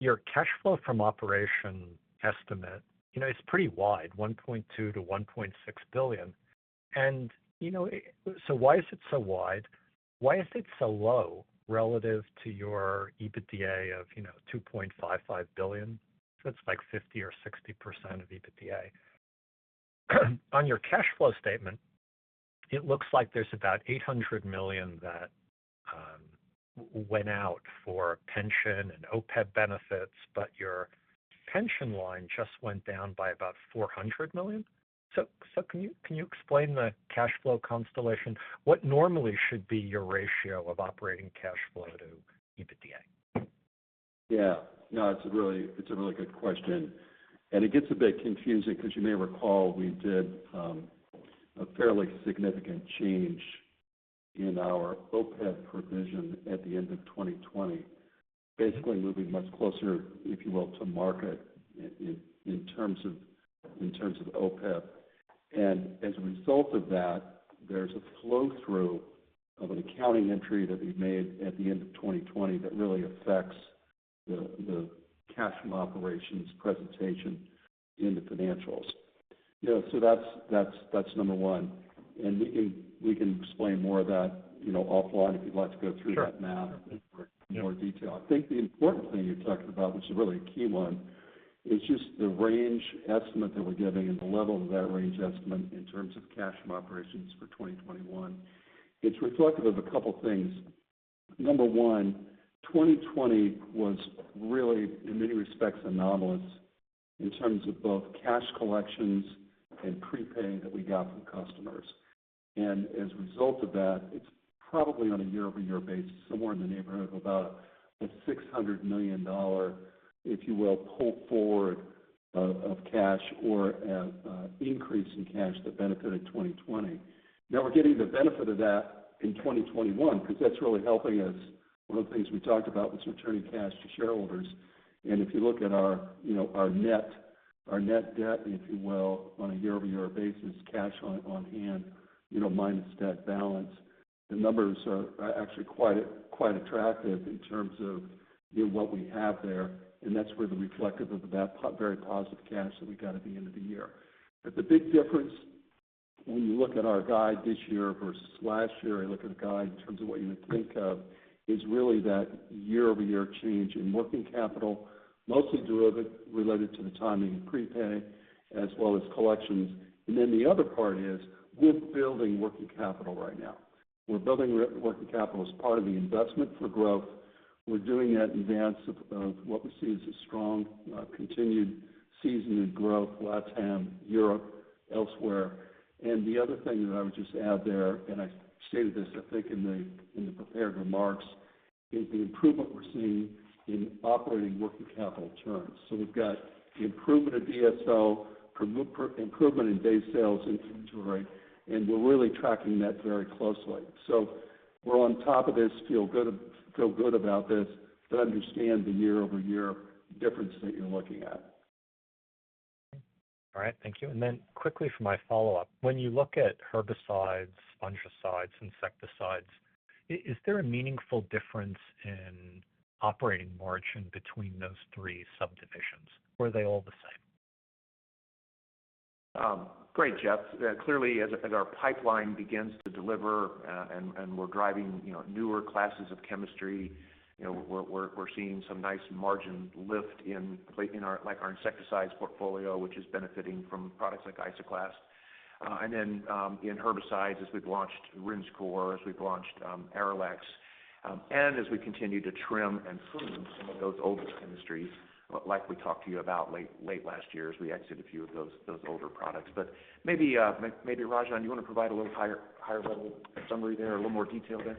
Your cash flow from operation estimate, it's pretty wide, $1.2 billion-$1.6 billion. Why is it so wide? Why is it so low relative to your EBITDA of $2.55 billion? It's like 50% or 60% of EBITDA. On your cash flow statement, it looks like there's about $800 million that went out for pension and OPEB benefits, but your pension line just went down by about $400 million. Can you explain the cash flow constellation? What normally should be your ratio of operating cash flow to EBITDA? No, it's a really good question. It gets a bit confusing because you may recall we did a fairly significant change in our OPEB provision at the end of 2020, basically moving much closer, if you will, to market in terms of OPEB. As a result of that, there's a flow-through of an accounting entry that we made at the end of 2020 that really affects the cash from operations presentation in the financials. That's number one, and we can explain more of that offline if you'd like to go through that- Sure. ...matter for more detail. I think the important thing you're talking about, which is really a key one, is just the range estimate that we're giving and the level of that range estimate in terms of cash from operations for 2021. It's reflective of a couple things. Number one, 2020 was really, in many respects, anomalous in terms of both cash collections and prepay that we got from customers. As a result of that, it's probably on a year-over-year basis, somewhere in the neighborhood of about $600 million, if you will, pull forward of cash or an increase in cash that benefited 2020. Now we're getting the benefit of that in 2021 because that's really helping us. One of the things we talked about was returning cash to shareholders. If you look at our net debt, if you will, on a year-over-year basis, cash on hand minus debt balance, the numbers are actually quite attractive in terms of what we have there. That's where the reflective of that very positive cash that we got at the end of the year. The big difference when you look at our guide this year versus last year and look at a guide in terms of what you would think of, is really that year-over-year change in working capital, mostly related to the timing of prepay as well as collections. Then the other part is we're building working capital right now. We're building working capital as part of the investment for growth. We're doing that in advance of what we see as a strong continued season of growth, LATAM, Europe, elsewhere. The other thing that I would just add there, and I stated this, I think, in the prepared remarks, is the improvement we're seeing in operating working capital turns. We've got the improvement of DSO, improvement in days sales and inventory, and we're really tracking that very closely. We're on top of this, feel good about this, but understand the year-over-year difference that you're looking at. All right, thank you. Quickly for my follow-up, when you look at herbicides, fungicides, insecticides, is there a meaningful difference in operating margin between those three subdivisions? Or are they all the same? Great, Jeff. Clearly, as our pipeline begins to deliver and we're driving newer classes of chemistry, we're seeing some nice margin lift in our insecticides portfolio, which is benefiting from products like Isoclast. Then in herbicides, as we've launched Rinskor, as we've launched Arylex, and as we continue to trim and prune some of those older chemistries, like we talked to you about late last year as we exited a few of those older products. Maybe, Rajan, you want to provide a little higher-level summary there, a little more detail there?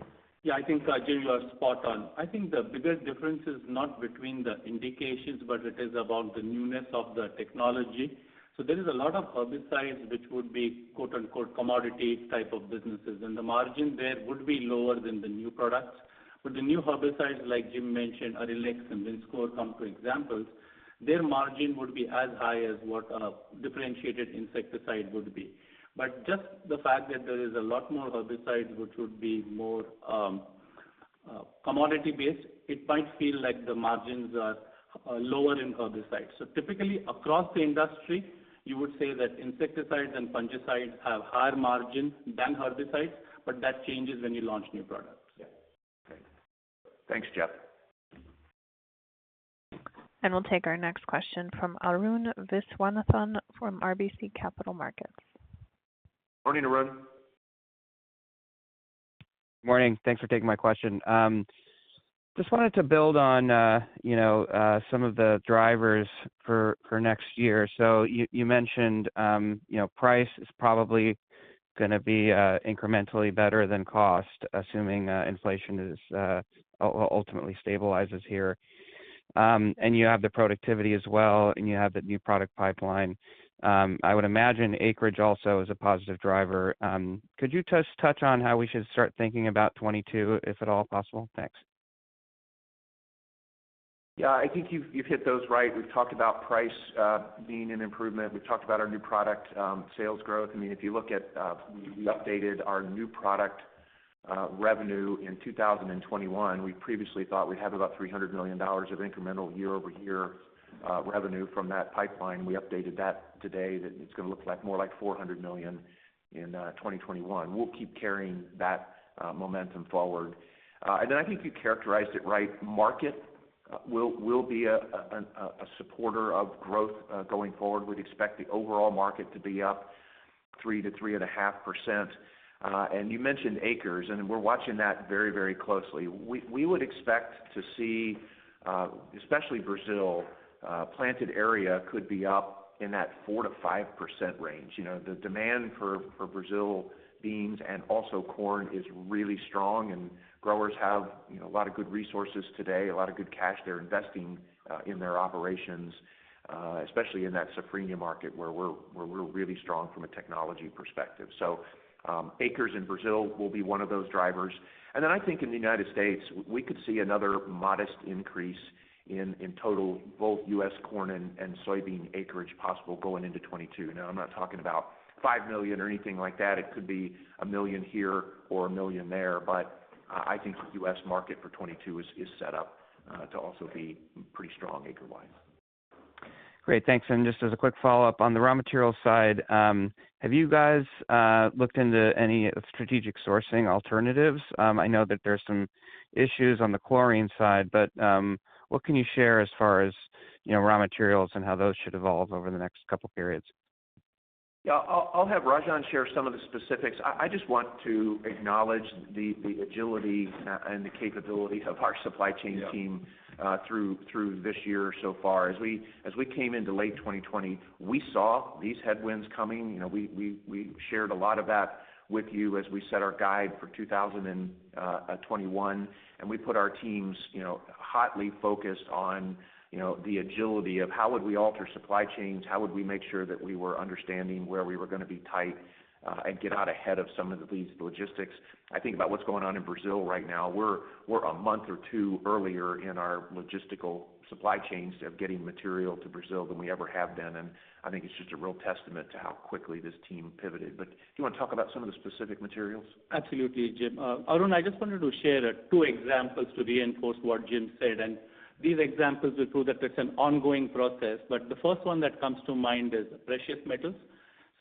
I think, Jim, you are spot on. I think the biggest difference is not between the indications, but it is about the newness of the technology. There is a lot of herbicides which would be "commodity" type of businesses, and the margin there would be lower than the new products. The new herbicides, like Jim mentioned, Arylex and Rinskor, come for examples, their margin would be as high as what a differentiated insecticide would be. Just the fact that there is a lot more herbicides which would be more commodity-based, it might feel like the margins are lower in herbicides. Typically, across the industry, you would say that insecticides and fungicides have higher margins than herbicides, but that changes when you launch new products. Yeah. Great. Thanks, Jeff. We'll take our next question from Arun Viswanathan from RBC Capital Markets. Morning, Arun. Morning. Thanks for taking my question. Just wanted to build on some of the drivers for next year. You mentioned price is probably going to be incrementally better than cost, assuming inflation ultimately stabilizes here. You have the productivity as well, and you have the new product pipeline. I would imagine acreage also is a positive driver. Could you just touch on how we should start thinking about 2022, if at all possible? Thanks. Yeah. I think you've hit those right. We've talked about price being an improvement. We've talked about our new product sales growth. If you look at, we updated our new product revenue in 2021, we previously thought we'd have about $300 million of incremental year-over-year revenue from that pipeline. We updated that today that it's going to look more like $400 million in 2021. We'll keep carrying that momentum forward. I think you characterized it right. Market will be a supporter of growth going forward. We'd expect the overall market to be up 3%-3.5%. You mentioned acres, and we're watching that very closely. We would expect to see, especially Brazil, planted area could be up in that 4%-5% range. The demand for Brazil beans and also corn is really strong and growers have a lot of good resources today, a lot of good cash they're investing in their operations, especially in that Safrinha market where we're really strong from a technology perspective. Acres in Brazil will be one of those drivers. I think in the United States, we could see another modest increase in total, both U.S. corn and soybean acreage possible going into 2022. Now I'm not talking about $5 million or anything like that. It could be a million here or a million there. I think the U.S. market for 2022 is set up to also be pretty strong acre-wise. Great. Thanks. Just as a quick follow-up, on the raw material side, have you guys looked into any strategic sourcing alternatives? I know that there's some issues on the chlorine side, but what can you share as far as raw materials and how those should evolve over the next couple periods? I'll have Rajan share some of the specifics. I just want to acknowledge the agility and the capability of our supply chain team through this year so far. As we came into late 2020, we saw these headwinds coming. We shared a lot of that with you as we set our guide for 2021, and we put our teams hotly focused on the agility of how would we alter supply chains, how would we make sure that we were understanding where we were going to be tight, and get out ahead of some of these logistics. I think about what's going on in Brazil right now. We're a month or two earlier in our logistical supply chains of getting material to Brazil than we ever have been, and I think it's just a real testament to how quickly this team pivoted. Do you want to talk about some of the specific materials? Absolutely, Jim. Arun, I just wanted to share two examples to reinforce what Jim said. These examples will prove that it's an ongoing process. The first one that comes to mind is precious metals.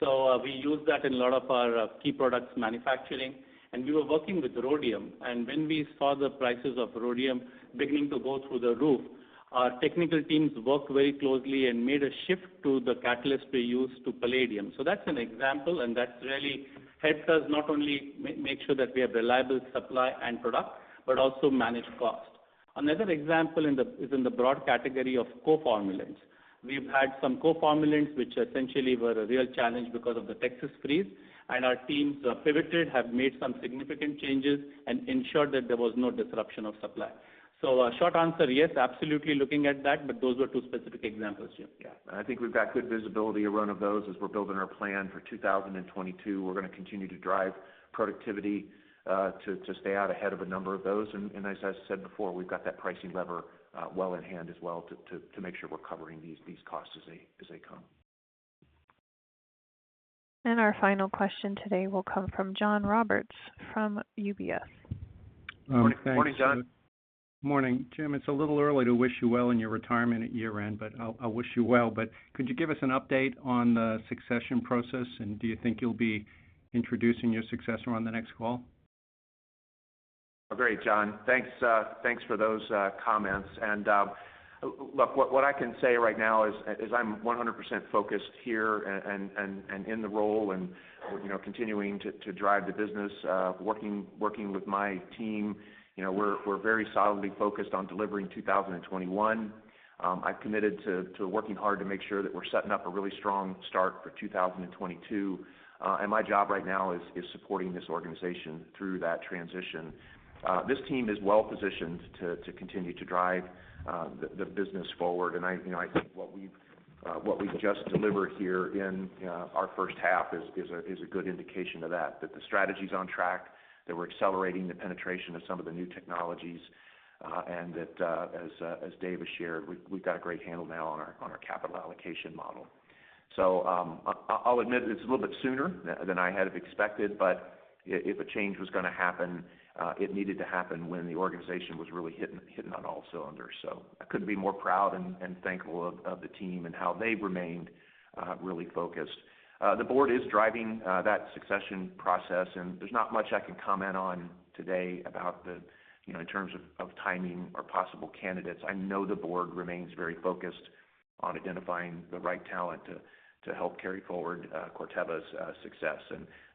We use that in a lot of our key products manufacturing. We were working with rhodium, and when we saw the prices of rhodium beginning to go through the roof, our technical teams worked very closely and made a shift to the catalyst we use to palladium. That's an example, and that really helps us not only make sure that we have reliable supply and product, but also manage cost. Another example is in the broad category of co-formulants. We've had some co-formulants, which essentially were a real challenge because of the Texas freeze. Our teams pivoted, have made some significant changes, and ensured that there was no disruption of supply. Short answer, yes, absolutely looking at that, but those were two specific examples, Jim. Yeah. I think we've got good visibility, Arun, of those as we're building our plan for 2022. We're going to continue to drive productivity to stay out ahead of a number of those. As I said before, we've got that pricing lever well in hand as well to make sure we're covering these costs as they come. Our final question today will come from John Roberts from UBS. Morning, John. Morning. Jim, it's a little early to wish you well in your retirement at year-end, but I'll wish you well. Could you give us an update on the succession process, and do you think you'll be introducing your successor on the next call? Great, John. Thanks for those comments. Look, what I can say right now is I'm 100% focused here and in the role and continuing to drive the business, working with my team. We're very solidly focused on delivering 2021. I've committed to working hard to make sure that we're setting up a really strong start for 2022. My job right now is supporting this organization through that transition. This team is well-positioned to continue to drive the business forward, and I think what we've just delivered here in our first half is a good indication of that the strategy's on track, that we're accelerating the penetration of some of the new technologies, and that, as Dave has shared, we've got a great handle now on our capital allocation model. I'll admit it's a little bit sooner than I had expected, but if a change was going to happen, it needed to happen when the organization was really hitting on all cylinders. I couldn't be more proud and thankful of the team and how they've remained really focused. The board is driving that succession process, and there's not much I can comment on today in terms of timing or possible candidates. I know the board remains very focused on identifying the right talent to help carry forward Corteva's success.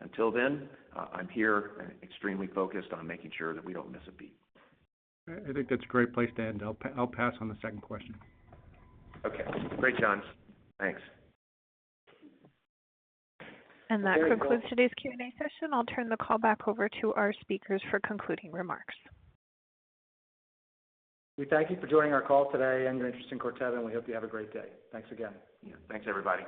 Until then, I'm here and extremely focused on making sure that we don't miss a beat. I think that's a great place to end. I'll pass on the second question. Okay. Great, John. Thanks. That concludes today's Q&A session. I'll turn the call back over to our speakers for concluding remarks. We thank you for joining our call today and your interest in Corteva. We hope you have a great day. Thanks again. Yeah. Thanks, everybody.